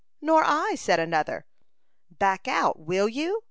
"Nor I," said another. "Back out will you?"